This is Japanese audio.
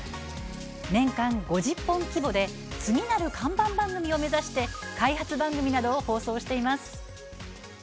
年間５０本規模で次なる看板番組を目指して開発番組などを放送しています。